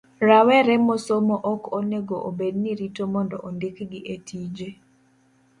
Rawere mosomo ok onego obed ni rito mondo ondikgi etije.